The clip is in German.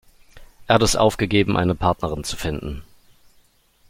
Er hat es aufgegeben, eine Partnerin zu finden.